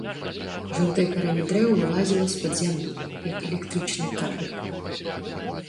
Жоўтае карэнне дрэў вылазіла з-пад зямлі, як электрычны кабель.